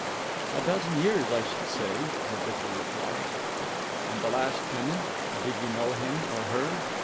"A dozen years, I should say," the vicar replied. "And the last tenant did you know him or her?"